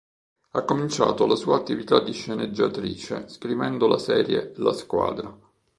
Ha cominciato la sua attività di sceneggiatrice scrivendo la serie La squadra.